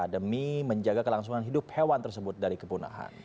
demi menjaga kelangsungan hidup hewan tersebut dari kepunahan